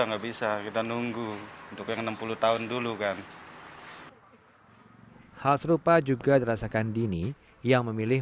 nggak bisa kita nunggu untuk yang enam puluh tahun dulu kan hal serupa juga dirasakan dini yang memilih